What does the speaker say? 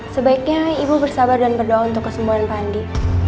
sebaiknya ibu bersabar dan berdoa untuk kesembuhan pak andi